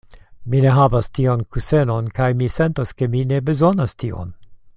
Mi ne havas tian kusenon, kaj mi sentas ke mi ne bezonas tion.